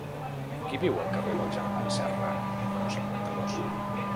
Qui viu al carrer dels Germans Serra número cinquanta-dos?